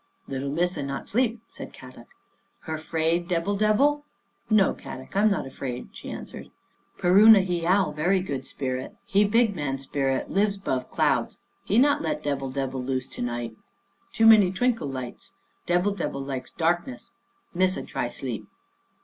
" Little Missa not sleep," said Kadok. " Her 'fraid Debill debill?" " No, Kadok, I'm not afraid," she answered. " Peruna heeal very good spirit, he big man spirit, lives 'bove clouds. He not let Debil debil loose to night. Too many twinkle lights. Debil debil likes darkness. Missa try sleep."